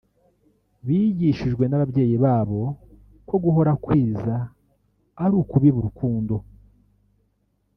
bigishijwe n’ababyeyi babo ko guhora kwiza ari ukubiba urukundo